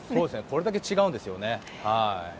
これだけ違うんですよね。